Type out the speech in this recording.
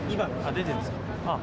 出てるんですか？